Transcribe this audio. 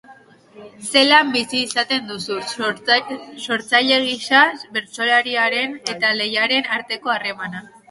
Zelan bizi izaten duzu, sortzaile gisa, bertsolaritzaren eta lehiaren arteko harremana?